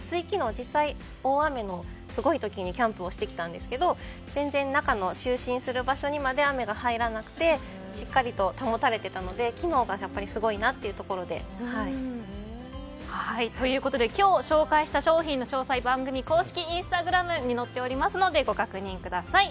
実際に大雨のすごい時にキャンプをしてきたんですけど全然、中の就寝する場所にまで雨が入らなくてしっかりと保たれていたので機能がやっぱりすごいなというところで。ということで今日紹介した商品の詳細は番組公式インスタグラムに載っておりますのでご確認ください。